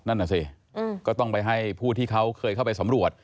นั่นน่ะสิก็ต้องไปให้ผู้ที่เขาเคยเข้าไปสำรวจ